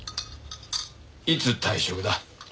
いつ退職だ？